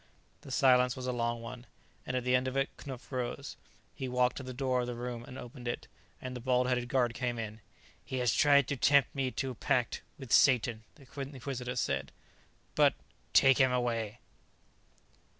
The silence was a long one, and at the end of it Knupf rose. He walked to the door of the room and opened it, and the bald headed guard came in. "He has tried to tempt me to pact with Satan," the Inquisitor said. "But " "Take him away."